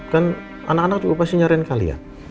kan anak anak juga pasti nyariin kalian